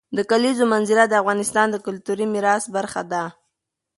د کلیزو منظره د افغانستان د کلتوري میراث برخه ده.